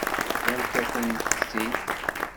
Rrant-akent-tt-id.